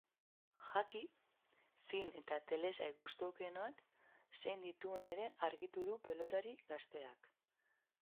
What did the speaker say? Jaki, film eta telesail gustukoenak zein dituen ere argitu du pilotari gazteak.